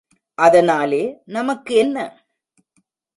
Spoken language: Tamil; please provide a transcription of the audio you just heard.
அதனாலே நமக்கு என்ன?